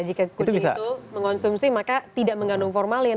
jika kucing itu mengonsumsi maka tidak mengandung formalin